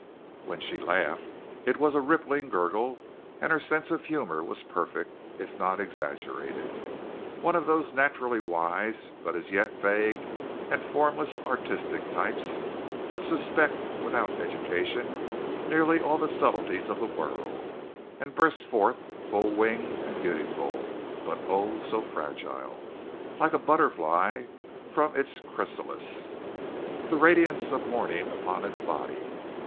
When she laughed it was a rippling gurgle, and her sense of humor was perfect, if not exaggerated. One of those naturally wise but as yet vague and formless artistic types, which suspect without education, nearly all the subtleties of the world, and burst forth full winged and beautiful, but oh, so fragile, like a butterfly from its chrysalis, the radiance of morning upon its body.